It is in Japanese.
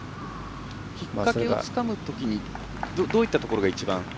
きっかけをつかむときにどういったことが一番？